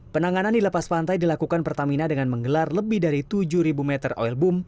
penanganan di lepas pantai dilakukan pertamina dengan menggelar lebih dari tujuh meter oil boom